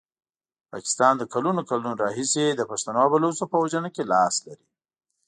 پاکستان له کلونو کلونو راهیسي د پښتنو او بلوڅو په وژنه کې لاس لري.